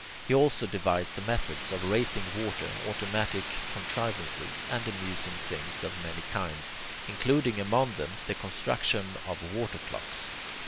He also devised methods of raising water, automatic contrivances, and amusing things of many kinds, including among them the construction of water clocks.